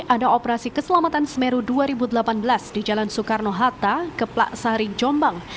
ada operasi keselamatan semeru dua ribu delapan belas di jalan soekarno hatta keplaksari jombang